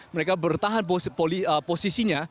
mereka bertahan posisinya